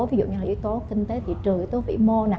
ví dụ như là yếu tố kinh tế thị trường yếu tố vĩ mô